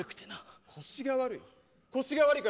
腰が悪い？